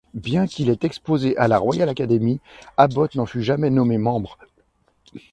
Bien qu'il ait exposé à la Royal Academy, Abbott n'en fut jamais nommé membre.